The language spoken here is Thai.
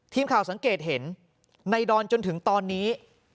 ทีมข่าวสังเกตเห็นในดอนจนถึงตอนนี้